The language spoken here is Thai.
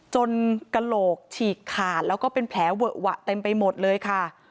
กระโหลกฉีกขาดแล้วก็เป็นแผลเวอะหวะเต็มไปหมดเลยค่ะ